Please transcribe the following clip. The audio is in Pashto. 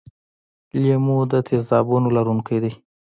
لیمو د تیزابونو لرونکی دی.